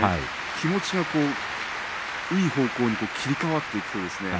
気持ちがいい方向に切り替わっていくとですね